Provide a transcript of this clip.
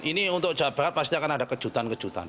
ini untuk jawa barat pasti akan ada kejutan kejutan